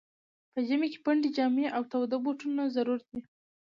په ژمي کي پنډي جامې او تاوده بوټونه ضرور دي.